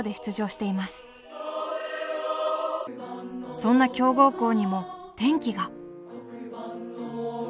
そんな強豪校にも転機が。